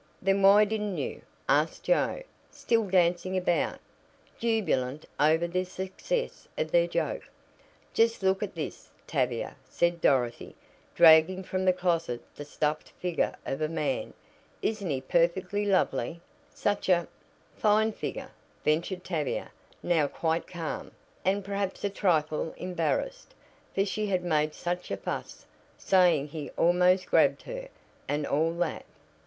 "Then why didn't you?" asked Joe, still dancing about; jubilant over the success of their joke. "Just look at this, Tavia," said Dorothy, dragging from the closet the stuffed figure of a man. "Isn't he perfectly lovely? Such a " "Fine figure," ventured Tavia, now quite calm, and perhaps a trifle embarrassed, for she had made such a fuss, saying he almost grabbed her, and all that.